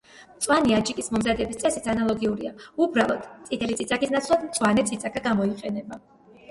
მწვანე აჯიკის მომზადების წესიც ანალოგიურია, უბრალოდ, წითელი წიწაკის ნაცვლად მწვანე წიწაკა გამოიყენება.